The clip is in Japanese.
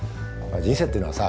人生っていうのはさ